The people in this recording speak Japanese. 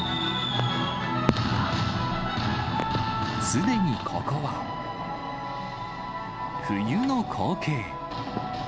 すでにここは、冬の光景。